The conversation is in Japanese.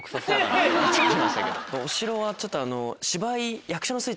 お城はちょっと芝居。